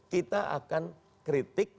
kita akan kritik